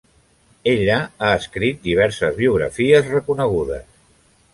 Ella ha escrit diverses biografies reconegudes.